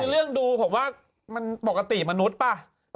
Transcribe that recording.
คือเรื่องดูผมว่าปกติมนุษย์ป่ะ